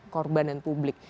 korban dan publik